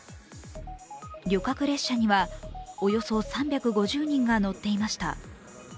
旅客列車にはおよそ３５０人が乗っていました。